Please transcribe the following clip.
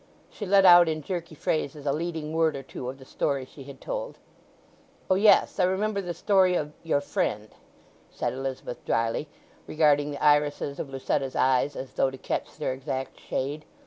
She let out in jerky phrases a leading word or two of the story she had told. "O yes—I remember the story of your friend," said Elizabeth drily, regarding the irises of Lucetta's eyes as though to catch their exact shade.